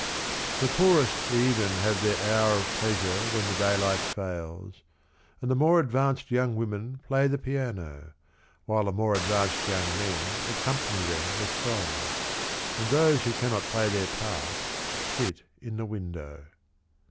••••••• The poorest even have their hour of pleasure When the daylight fails And the more advanced young women Play the piano, While the more advanced young men Accompany them with song, And those who cannot play their part, Sit in the window.